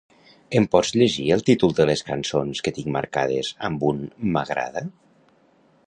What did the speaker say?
Em pots llegir el títol de les cançons que tinc marcades amb un m'agrada?